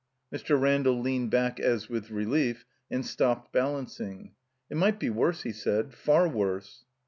Mr. Randall leaned back as with relief, and stopped balancing. "It might be worse," he said, "far worse."